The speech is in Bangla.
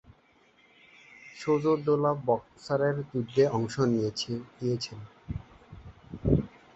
সুজা-উদ-দৌলা বক্সারের যুদ্ধে অংশ নিয়েছেন।